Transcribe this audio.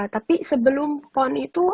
tapi sebelum pon itu